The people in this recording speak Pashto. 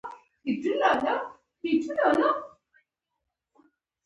د ظالم ستاینه د بې وسۍ چیغه ده.